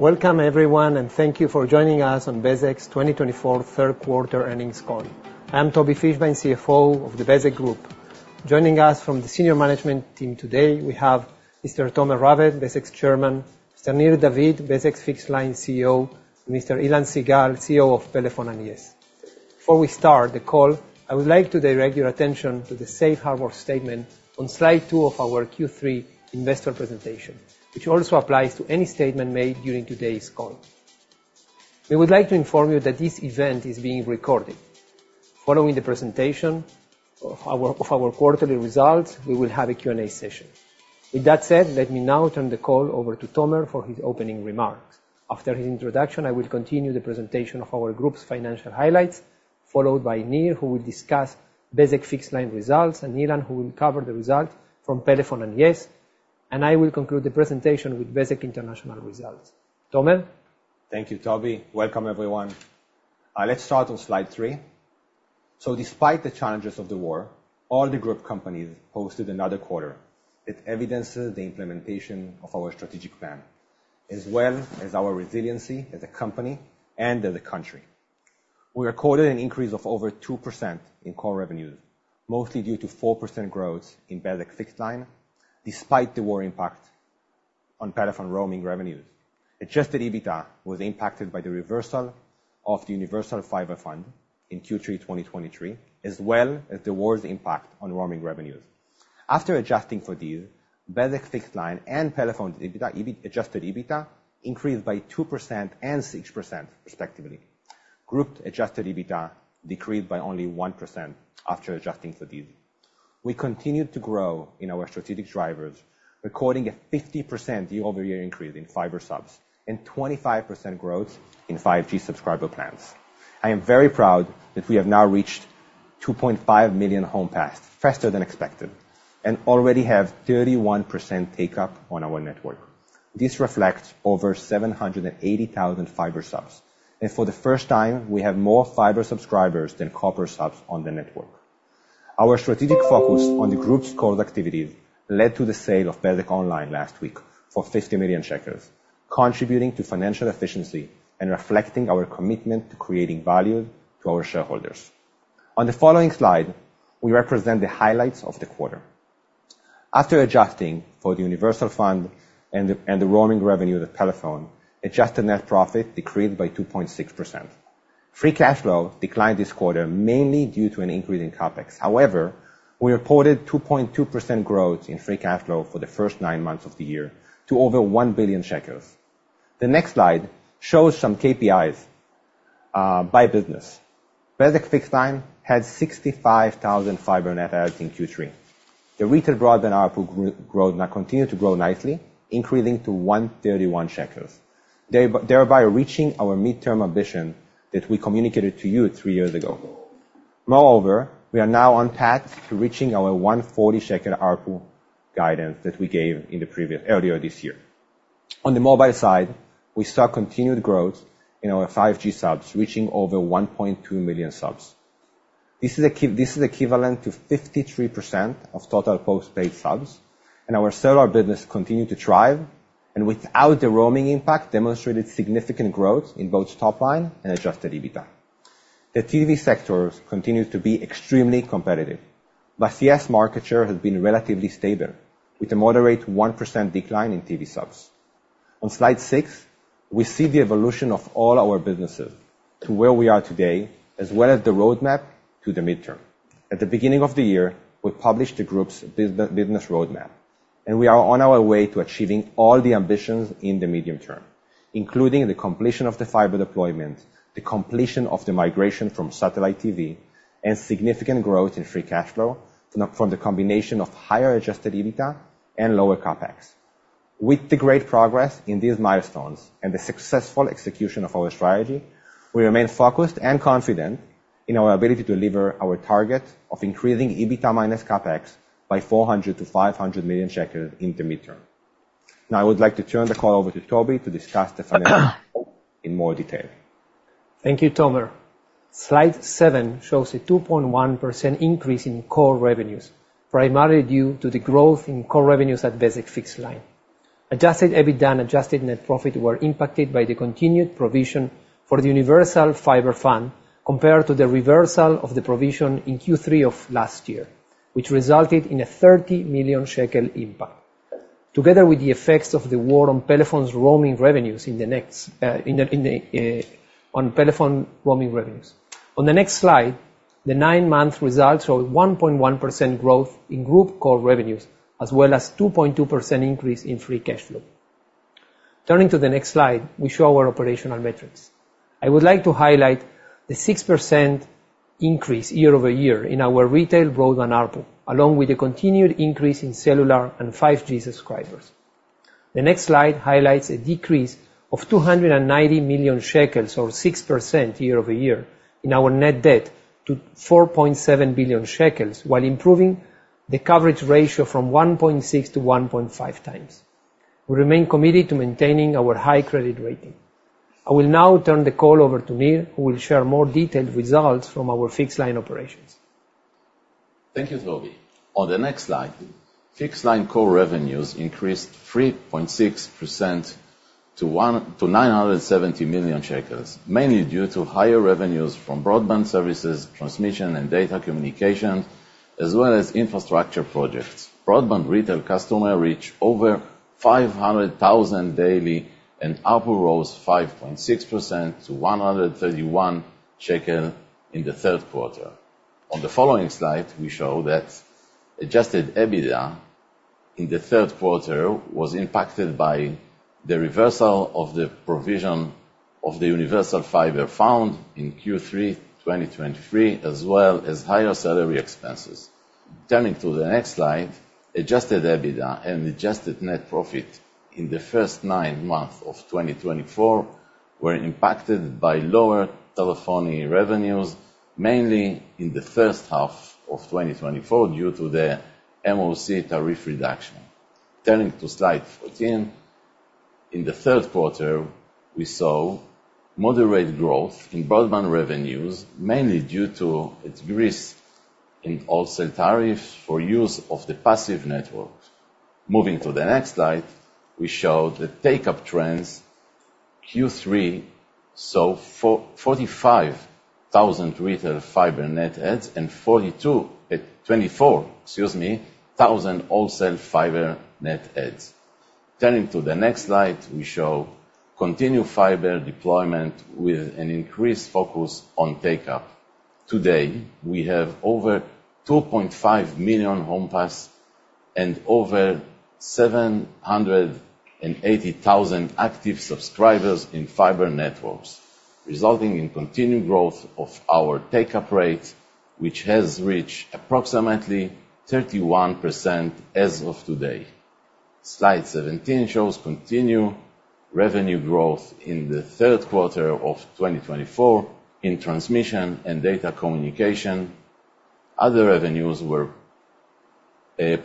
Welcome everyone, and thank you for joining us on Bezeq's 2024 third quarter earnings call. I'm Tobi Fischbein, CFO of the Bezeq Group. Joining us from the senior management team today we have Mr. Tomer Raved, Bezeq's Chairman, Nir David, Bezeq Fixed-Line CEO, Mr. Ilan Sigal, CEO of Pelephone and Yes. Before we start the call, I would like to direct your attention to the safe harbor statement on slide two of our Q3 investor presentation, which also applies to any statement made during today's call. We would like to inform you that this event is being recorded. Following the presentation of our quarterly results, we will have a Q&A session. With that said, let me now turn the call over to Tomer for his opening remarks. After his introduction, I will continue the presentation of our group's financial highlights, followed by Nir, who will discuss Bezeq Fixed-Line results, and Ilan, who will cover the results from Pelephone and Yes, and I will conclude the presentation with Bezeq International results. Tomer? Thank you, Tobi. Welcome, everyone. Let's start on slide three. Despite the challenges of the war, all the group companies posted another quarter that evidences the implementation of our strategic plan, as well as our resiliency as a company and as a country. We recorded an increase of over 2% in core revenues, mostly due to 4% growth in Bezeq Fixed Line despite the war impact on Pelephone roaming revenues. Adjusted EBITDA was impacted by the reversal of the Universal Fiber Fund in Q3 2023, as well as the war's impact on roaming revenues. After adjusting for these, Bezeq Fixed Line and Pelephone's adjusted EBITDA increased by 2% and 6%, respectively. Group's adjusted EBITDA decreased by only 1% after adjusting for these. We continued to grow in our strategic drivers, recording a 50% year-over-year increase in fiber subs and 25% growth in 5G subscriber plans. I am very proud that we have now reached 2.5 million home passes faster than expected and already have 31% take-up on our network. This reflects over 780,000 fiber subs, and for the first time, we have more fiber subscribers than copper subs on the network. Our strategic focus on the group's core activities led to the sale of Bezeq Online last week for NIS 50 million, contributing to financial efficiency and reflecting our commitment to creating value to our shareholders. On the following slide, we represent the highlights of the quarter. After adjusting for the Universal Fiber Fund and the roaming revenue to Pelephone, adjusted net profit decreased by 2.6%. Free cash flow declined this quarter mainly due to an increase in CapEx. However, we reported 2.2% growth in free cash flow for the first nine months of the year to over NIS 1 billion. The next slide shows some KPIs by business. Bezeq Fixed-Line had 65,000 fiber net adds in Q3. The retail broadband ARPU growth now continued to grow nicely, increasing to NIS 131, thereby reaching our midterm ambition that we communicated to you three years ago. Moreover, we are now on path to reaching our NIS 140 ARPU guidance that we gave earlier this year. On the mobile side, we saw continued growth in our 5G subs, reaching over 1.2 million subs. This is equivalent to 53% of total post-paid subs. Our cellular business continued to thrive, and without the roaming impact, demonstrated significant growth in both top line and adjusted EBITDA. The TV sector continues to be extremely competitive. Pay-TV market share has been relatively stable with a moderate 1% decline in TV subs. On slide six, we see the evolution of all our businesses to where we are today, as well as the roadmap to the midterm. At the beginning of the year, we published the group's business roadmap, and we are on our way to achieving all the ambitions in the medium term, including the completion of the fiber deployment, the completion of the migration from satellite TV, and significant growth in free cash flow from the combination of higher adjusted EBITDA and lower CapEx. With the great progress in these milestones and the successful execution of our strategy, we remain focused and confident in our ability to deliver our target of increasing EBITDA minus CapEx by NIS 400 million-NIS 500 million in the midterm. Now, I would like to turn the call over to Tobi to discuss the financial results in more detail. Thank you, Tomer. Slide seven shows a 2.1% increase in core revenues, primarily due to the growth in core revenues at Bezeq Fixed-Line. Adjusted EBITDA and adjusted net profit were impacted by the continued provision for the Universal Fiber Fund compared to the reversal of the provision in Q3 of last year, which resulted in a NIS 30 million impact, together with the effects of the war on Pelephone's roaming revenues. On the next slide, the nine-month results show 1.1% growth in group core revenues, as well as 2.2% increase in free cash flow. Turning to the next slide, we show our operational metrics. I would like to highlight the 6% increase year-over-year in our retail broadband ARPU, along with the continued increase in cellular and 5G subscribers. The next slide highlights a decrease of NIS 290 million, or 6% year-over-year, in our net debt to NIS 4.7 billion while improving the coverage ratio from 1.6x to 1.5x. We remain committed to maintaining our high credit rating. I will now turn the call over to Nir, who will share more detailed results from our Fixed Line operations. Thank you, Tobi. On the next slide, fixed line core revenues increased 3.6% to 970 million shekels, mainly due to higher revenues from broadband services, transmission and data communication, as well as infrastructure projects. Broadband retail customer reached over 500,000 daily, and ARPU rose 5.6% to 131 shekel in the third quarter. On the following slide, we show that adjusted EBITDA in the third quarter was impacted by the reversal of the provision of the Universal Fiber Fund in Q3 2023, as well as higher salary expenses. Turning to the next slide, adjusted EBITDA and adjusted net profit in the first nine months of 2024 were impacted by lower telephony revenues, mainly in the first half of 2024, due to the MOC tariff reduction. Turning to slide 14. In the third quarter, we saw moderate growth in broadband revenues, mainly due to a decrease in wholesale tariffs for use of the passive network. Moving to the next slide, we show the take-up trends Q3, so 45,000 retail fiber net adds and 24,000 wholesale fiber net adds. Turning to the next slide, we show continued fiber deployment with an increased focus on take-up. Today, we have over 2.5 million home pass and over 780,000 active subscribers in fiber networks, resulting in continued growth of our take-up rate, which has reached approximately 31% as of today. Slide 17 shows continued revenue growth in the third quarter of 2024 in transmission and data communication. Other revenues were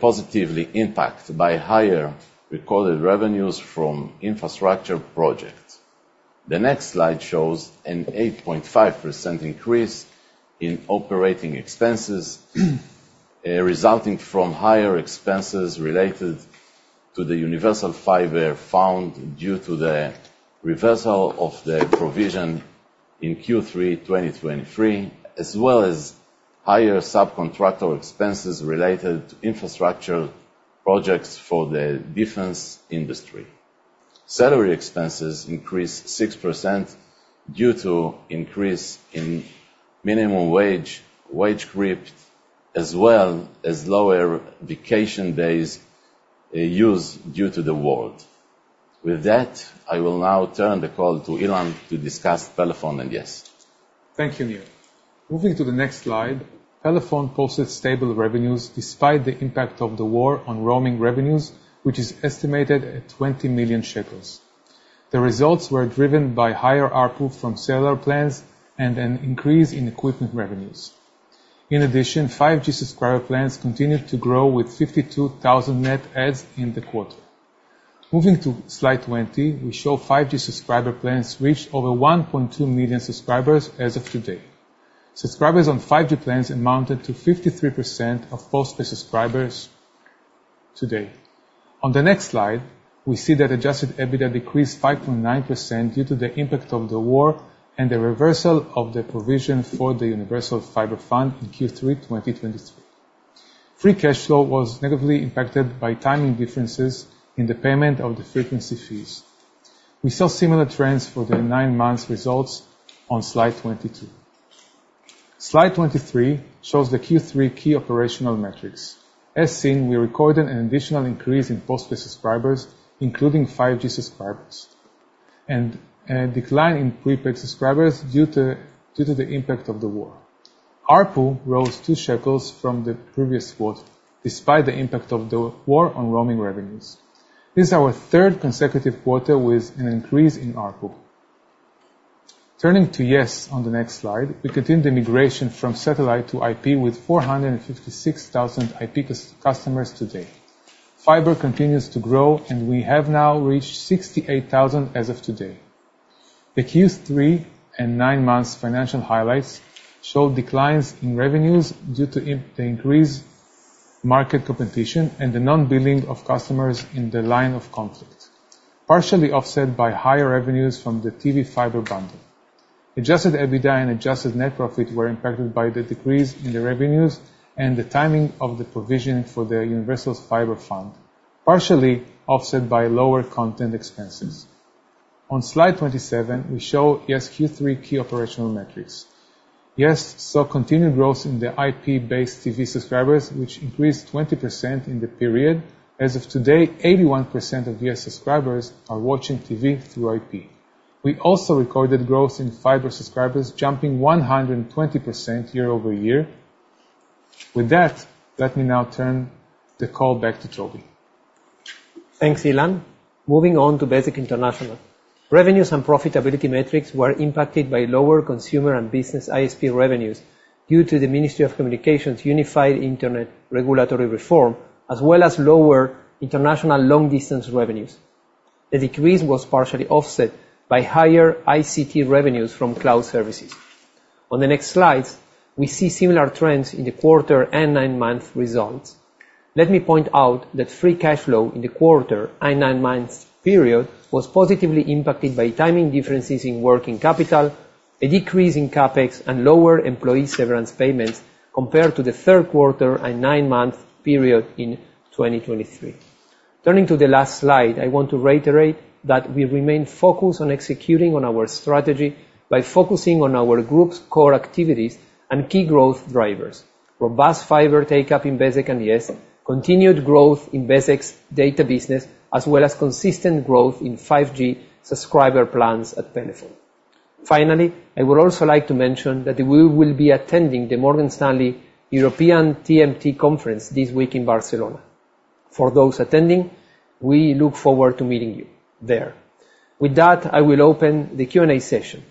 positively impacted by higher recorded revenues from infrastructure projects. The next slide shows an 8.5% increase in operating expenses, resulting from higher expenses related to the Universal Fiber Fund due to the reversal of the provision in Q3 2023, as well as higher subcontractor expenses related to infrastructure projects for the defense industry. Salary expenses increased 6% due to increase in minimum wage grip, as well as lower vacation days used due to the war. With that, I will now turn the call to Ilan to discuss Pelephone and Yes. Thank you, Nir. Moving to the next slide. Pelephone posted stable revenues despite the impact of the war on roaming revenues, which is estimated at 20 million shekels. The results were driven by higher ARPU from cellular plans and an increase in equipment revenues. In addition, 5G subscriber plans continued to grow with 52,000 net adds in the quarter. Moving to slide 20, we show 5G subscriber plans reached over 1.2 million subscribers as of today. Subscribers on 5G plans amounted to 53% of postpaid subscribers today. On the next slide, we see that adjusted EBITDA decreased 5.9% due to the impact of the war and the reversal of the provision for the Universal Fiber Fund in Q3 2023. Free cash flow was negatively impacted by timing differences in the payment of the frequency fees. We saw similar trends for the nine months results on slide 22. Slide 23 shows the Q3 key operational metrics. As seen, we recorded an additional increase in postpaid subscribers, including 5G subscribers, and a decline in prepaid subscribers due to the impact of the war. ARPU rose 2 shekels from the previous quarter despite the impact of the war on roaming revenues. This is our third consecutive quarter with an increase in ARPU. Turning to Yes on the next slide, we continued the migration from satellite to IP with 456,000 IP customers today. Fiber continues to grow. We have now reached 68,000 as of today. The Q3 and nine months financial highlights show declines in revenues due to the increased market competition and the non-billing of customers in the line of conflict, partially offset by higher revenues from the TV fiber bundle. Adjusted EBITDA and adjusted net profit were impacted by the decrease in the revenues and the timing of the provision for the Universal Fiber Fund, partially offset by lower content expenses. On Slide 27, we show Yes Q3 key operational metrics. Yes saw continued growth in the IP-based TV subscribers, which increased 20% in the period. As of today, 81% of Yes subscribers are watching TV through IP. We also recorded growth in fiber subscribers jumping 120% year-over-year. With that, let me now turn the call back to Tobi. Thanks, Ilan. Moving on to Bezeq International. Revenues and profitability metrics were impacted by lower consumer and business ISP revenues due to the Ministry of Communications' unified internet regulatory reform, as well as lower international long distance revenues. The decrease was partially offset by higher ICT revenues from cloud services. On the next slide, we see similar trends in the quarter and nine-month results. Let me point out that free cash flow in the quarter and nine months period was positively impacted by timing differences in working capital, a decrease in CapEx, and lower employee severance payments compared to the third quarter and nine-month period in 2023. Turning to the last slide, I want to reiterate that we remain focused on executing on our strategy by focusing on our group's core activities and key growth drivers. Robust fiber take-up in Bezeq and Yes, continued growth in Bezeq's data business, as well as consistent growth in 5G subscriber plans at Pelephone. Finally, I would also like to mention that we will be attending the Morgan Stanley European TMT Conference this week in Barcelona. For those attending, we look forward to meeting you there. With that, I will open the Q&A session.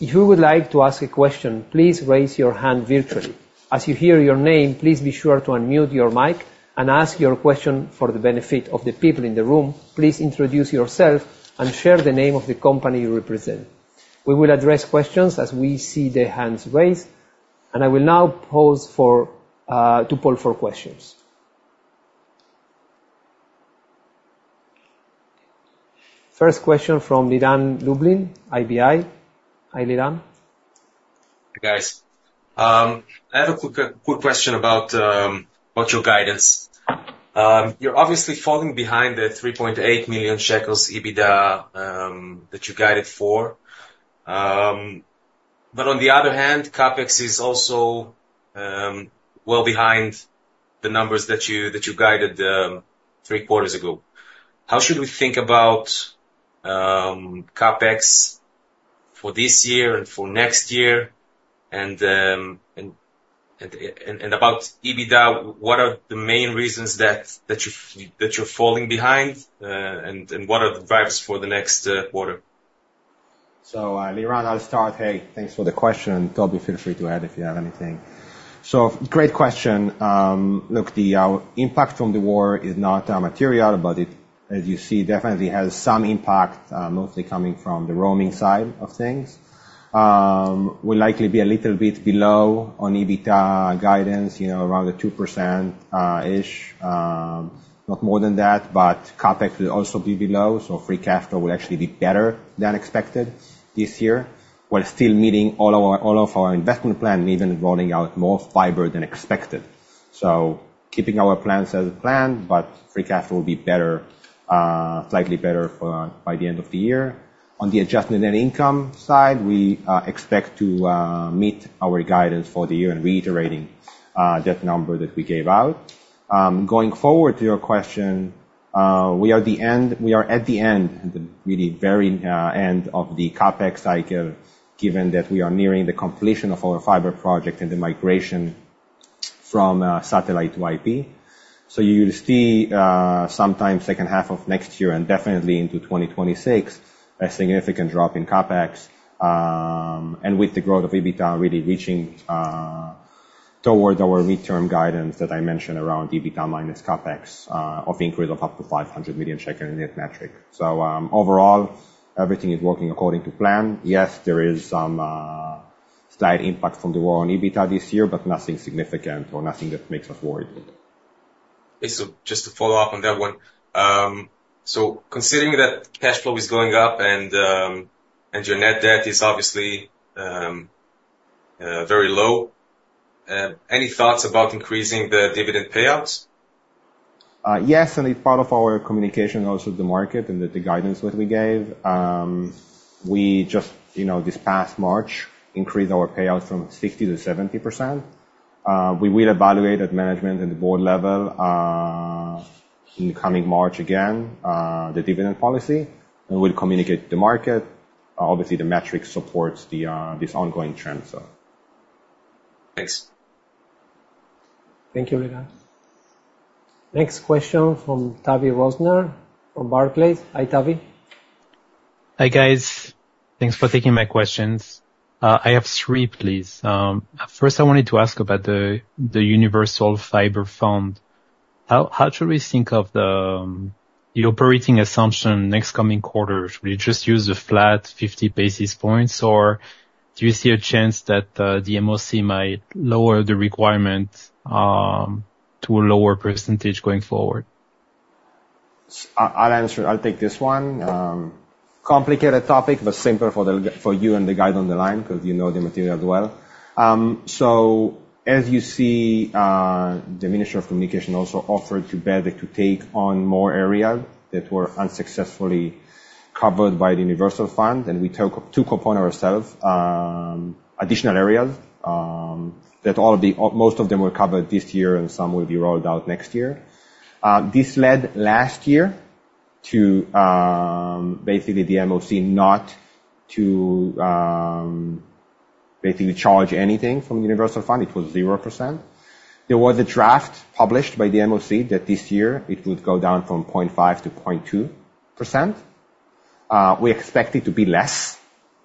If you would like to ask a question, please raise your hand virtually. As you hear your name, please be sure to unmute your mic and ask your question for the benefit of the people in the room. Please introduce yourself and share the name of the company you represent. We will address questions as we see the hands raised, and I will now pause to poll for questions. First question from Liran Lublin, IBI. Hi, Liran. Hi, guys. I have a quick question about your guidance. You're obviously falling behind the 3.8 million shekels EBITDA that you guided for. On the other hand, CapEx is also well behind the numbers that you guided three quarters ago. How should we think about CapEx for this year and for next year? About EBITDA, what are the main reasons that you're falling behind? What are the drivers for the next quarter? Liran, I'll start. Hey, thanks for the question. Tobi, feel free to add if you have anything. Great question. Look, the impact from the war is not material, but as you see, definitely has some impact, mostly coming from the roaming side of things. We'll likely be a little bit below on EBITDA guidance, around a 2%-ish. Not more than that. CapEx will also be below. Free cash flow will actually be better than expected this year. We're still meeting all of our investment plans and even rolling out more fiber than expected. Keeping our plans as planned. Free cash flow will be slightly better by the end of the year. On the adjustment and income side, we expect to meet our guidance for the year and reiterating that number that we gave out. Going forward to your question, we are at the end, the really very end of the CapEx cycle, given that we are nearing the completion of our fiber project and the migration from satellite to IP. You'll see, sometimes second half of next year and definitely into 2026, a significant drop in CapEx. With the growth of EBITDA really reaching towards our midterm guidance that I mentioned around EBITDA minus CapEx of the increase of up to 500 million shekel net metric. Overall, everything is working according to plan. Yes, there is some slight impact from the war on EBITDA this year, but nothing significant or nothing that makes us worried. Just to follow up on that one. Considering that cash flow is going up and your net debt is obviously very low, any thoughts about increasing the dividend payouts? Yes, it's part of our communication also with the market and the guidance that we gave. We just, this past March, increased our payouts from 50% to 70%. We will evaluate at management and board level in the coming March again, the dividend policy, and we'll communicate with the market. Obviously, the metric supports this ongoing trend. Thanks. Thank you, Liran. Next question from Tavy Rosner from Barclays. Hi, Tavy. Hi, guys. Thanks for taking my questions. I have three, please. First, I wanted to ask about the Universal Fiber Fund. How should we think of the operating assumption next coming quarters? Will you just use a flat 50 basis points, or do you see a chance that the MOC might lower the requirement to a lower percentage going forward? I'll take this one. Simpler for you and the guide on the line because you know the material well. As you see, the Ministry of Communications also offered Bezeq to take on more areas that were unsuccessfully covered by the Universal Fiber Fund. We took upon ourselves additional areas that most of them were covered this year and some will be rolled out next year. This led last year to basically the MOC not to basically charge anything from Universal Fiber Fund. It was 0%. There was a draft published by the MOC that this year it would go down from 0.5 to 0.2%. We expect it to be less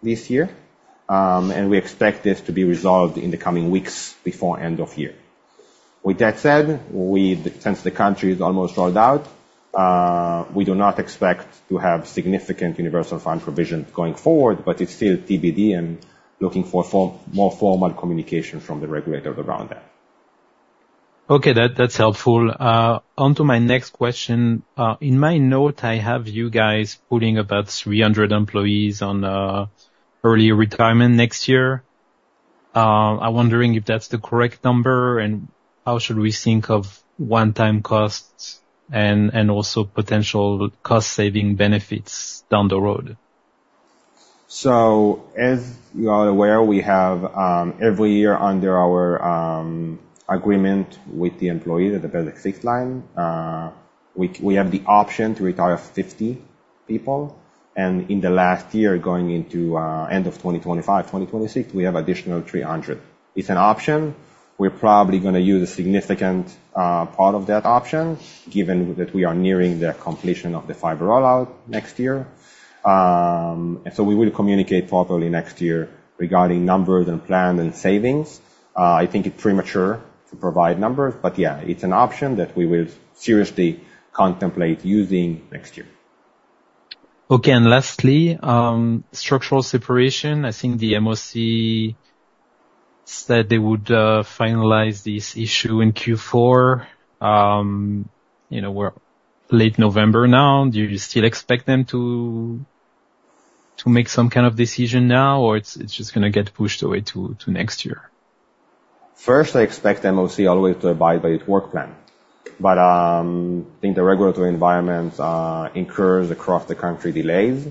this year, and we expect this to be resolved in the coming weeks before end of year. With that said, since the country is almost rolled out, we do not expect to have significant Universal Fund provisions going forward, but it's still TBD and looking for more formal communication from the regulators around that. Okay. That's helpful. Onto my next question. In my note, I have you guys putting about 300 employees on early retirement next year. I'm wondering if that's the correct number and how should we think of one-time costs and also potential cost-saving benefits down the road. As you are aware, we have every year under our agreement with the employee, the collective labor agreement, which we have the option to retire 50 people. In the last year, going into end of 2025, 2026, we have additional 300. It's an option. We're probably going to use a significant part of that option given that we are nearing the completion of the fiber rollout next year. We will communicate properly next year regarding numbers and plan and savings. I think it's premature to provide numbers, but yeah, it's an option that we will seriously contemplate using next year. Okay. Lastly, structural separation. I think the MOC said they would finalize this issue in Q4. We're late November now. Do you still expect them to make some kind of decision now, or it's just going to get pushed away to next year? I expect MOC always to abide by its work plan, but I think the regulatory environment incurs across the country delays.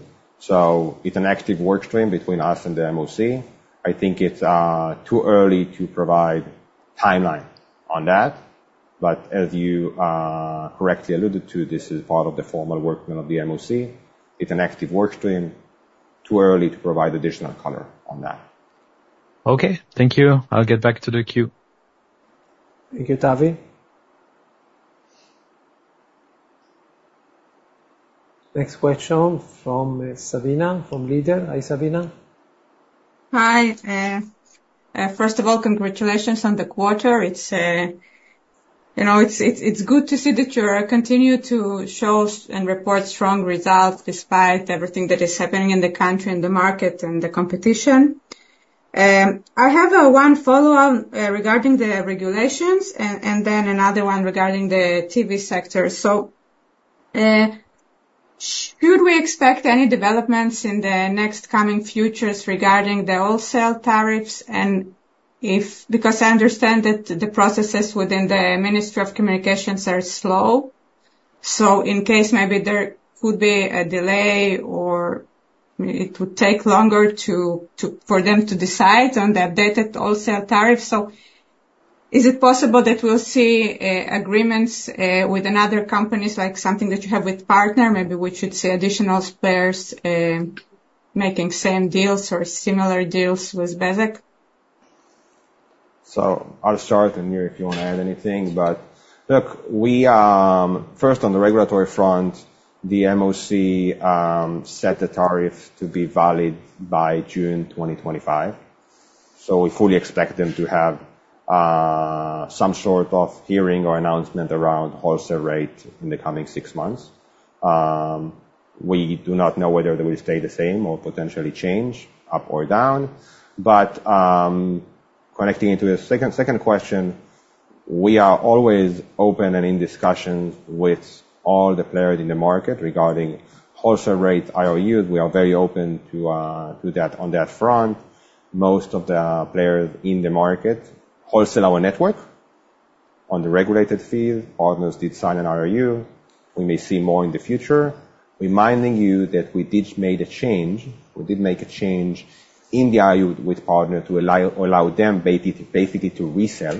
It's an active work stream between us and the MOC. I think it's too early to provide timeline on that, but as you correctly alluded to, this is part of the formal work plan of the MOC. It's an active work stream. Too early to provide additional color on that. Okay. Thank you. I'll get back to the queue. Thank you, Tavy. Next question from Sabina from Leader. Hi, Sabina. Hi. First of all, congratulations on the quarter. It's good to see that you continue to show and report strong results despite everything that is happening in the country and the market and the competition. I have one follow-on regarding the regulations and then another one regarding the TV sector. Should we expect any developments in the next coming futures regarding the wholesale tariffs? Because I understand that the processes within the Ministry of Communications are slow. In case maybe there could be a delay or it would take longer for them to decide on the updated wholesale tariffs. Is it possible that we'll see agreements with another companies like something that you have with Partner? Maybe we should see additional players making same deals or similar deals with Bezeq. I'll start, Nir, if you want to add anything. Look, first on the regulatory front, the MOC set the tariff to be valid by June 2025. We fully expect them to have some sort of hearing or announcement around wholesale rate in the coming six months. We do not know whether they will stay the same or potentially change up or down. Connecting it to the second question, we are always open and in discussion with all the players in the market regarding wholesale rate IRUs. We are very open to that on that front. Most of the players in the market wholesale our network on the regulated fee. Partners did sign an IRU. We may see more in the future. Reminding you that we did make a change in the IRU with Partner to allow them basically to resell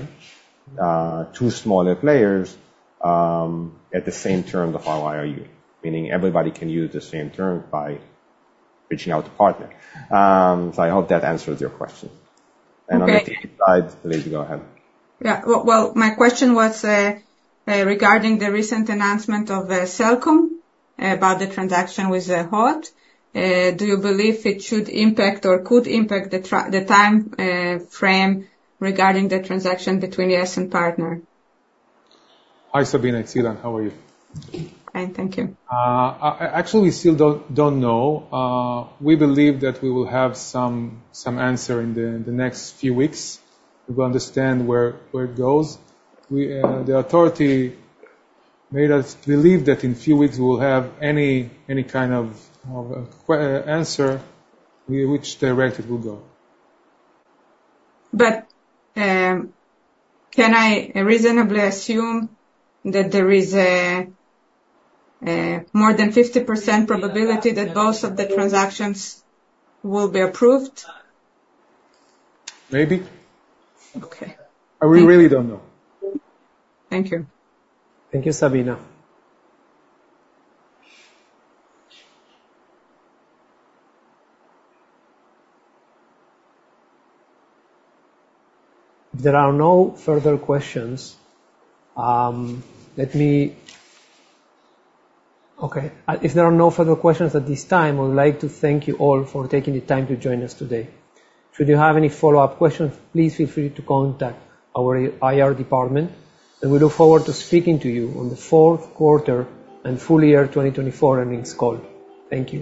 to smaller players at the same terms of our IRU, meaning everybody can use the same terms by reaching out to Partner. I hope that answers your question. Okay. Nir, please go ahead. Yeah. Well, my question was regarding the recent announcement of Cellcom about the transaction with Hot. Do you believe it should impact or could impact the time frame regarding the transaction between us and Partner? Hi, Sabina. It's Ilan. How are you? Fine. Thank you. Actually, we still don't know. We believe that we will have some answer in the next few weeks. We will understand where it goes. The authority made us believe that in a few weeks, we'll have any kind of answer which direction we'll go. Can I reasonably assume that there is more than 50% probability that both of the transactions will be approved? Maybe. Okay. We really don't know. Thank you. Thank you, Sabina. If there are no further questions at this time, I would like to thank you all for taking the time to join us today. Should you have any follow-up questions, please feel free to contact our IR department, and we look forward to speaking to you on the fourth quarter and full year 2024 earnings call. Thank you.